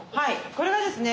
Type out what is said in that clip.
これがですね